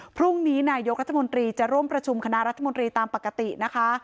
พรุ่งนี้นายกรัฐมนตรีจะร่วมประชุมคณะรัฐมนตรีตามปกตินะคะ